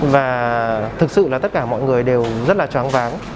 và thực sự là tất cả mọi người đều rất là choáng váng